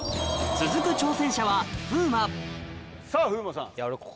続く挑戦者はさぁ風磨さん。